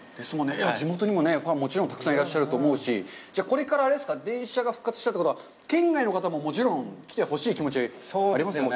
地元にはファンは、もちろんたくさんいらっしゃると思うし、これから、あれですか、電車が復活したということは、県外の方ももちろん来てほしい気持ち、ありますよね。